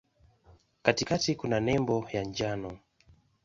Katikati kuna nembo ya njano.